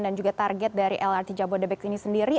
dan juga target dari lrt jabodetabek ini sendiri